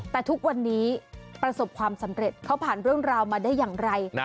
แต่ทุกวันนี้ประสบความสำเร็จเขาผ่านเรื่องราวมาได้อย่างไร